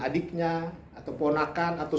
adiknya atau ponakan atau